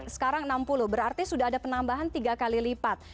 sekarang enam puluh berarti sudah ada penambahan tiga kali lipat